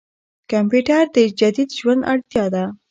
کمپيوټر د جديد ژوند اړتياده.